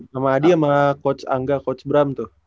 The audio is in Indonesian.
sama adi sama coach angga coach bram tuh